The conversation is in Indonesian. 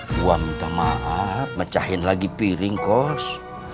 gua minta maaf mecahin lagi piring kors